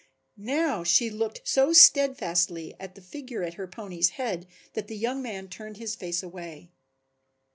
Now she looked so steadfastly at the figure at her pony's head that the young man turned his face away.